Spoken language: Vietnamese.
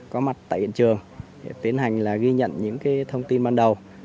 có mặt tại hiện trường để tiến hành ghi nhận những thông tin ban đầu